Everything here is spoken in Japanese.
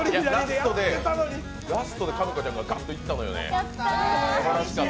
ラストでかみこちゃんがガッといったのよね。